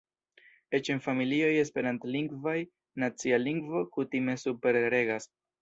Eĉ en familioj Esperantlingvaj, nacia lingvo kutime superregas.